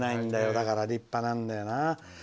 だから立派なんだよな。